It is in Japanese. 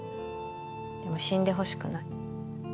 でも死んでほしくない